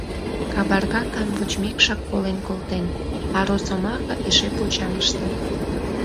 Кабарга камвочмекшак колен колтен, а росомаха эше почаҥыштын.